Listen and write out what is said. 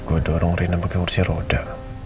gue dorong rina pakai kursi roda